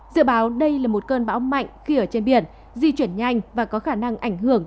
dự báo đây là một cơn bão mạnh khi ở trên biển di chuyển nhanh và có khả năng ảnh hưởng